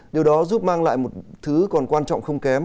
điều đó giúp mang lại một thứ còn quan trọng không kém